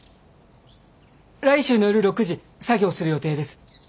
来週の夜６時作業する予定です。